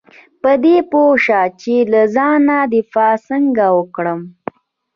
په دې پوه شه چې له ځانه دفاع څنګه وکړم .